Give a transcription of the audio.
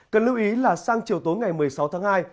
cần lưu ý là sang chiều tối ngày một mươi sáu tháng hai